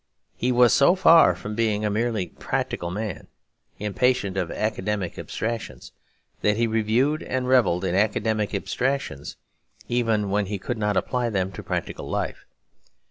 He was so far from being a merely practical man, impatient of academic abstractions, that he reviewed and revelled in academic abstractions, even while he could not apply them to practical life.